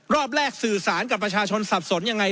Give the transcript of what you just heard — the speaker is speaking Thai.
รอบแรกสื่อสารกับประชาชนสับสนยังไง